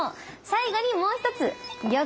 最後にもう一つ玉。